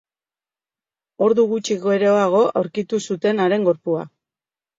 Ordu gutxi geroago aurkitu zuten haren gorpua.